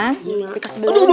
nah dikasih tahu